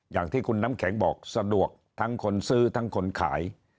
อย่างที่คุณน้ำแข็งบอกสะดวกทั้งคนซื้อทั้งคนขาย